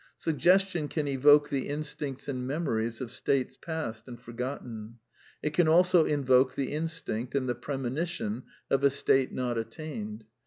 Suggestion can evoke the instincts and memo ries of states past and forgotten. It can also invoke the in stinct and the premonition of a state not attained.